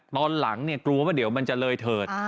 ตอนหลังเนี่ยกลัวว่าเดี๋ยวมันจะเลยเถิด